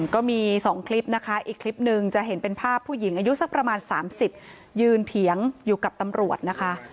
ก็มี๒คลิปนะคะอีกคลิปหนึ่งจะเห็นเป็นภาพผู้หญิงอายุสักประมาณ๓๐ยืนเถียงอยู่กับตำรวจนะคะ